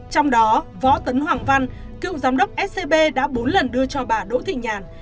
trong đó võ tấn hoàng văn cựu giám đốc scb đã bốn lần đưa cho bà đỗ thị nhàn